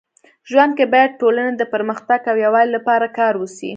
ژوند کي باید ټولني د پرمختګ او يووالي لپاره کار وسي.